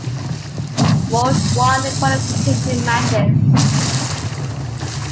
Molde won the qualification matches.